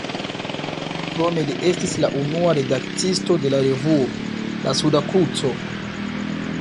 Krome li estis la unua redaktisto de la revuo "La Suda Kruco".